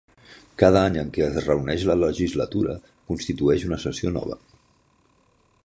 Cada any en què es reuneix la Legislatura constitueix una sessió nova.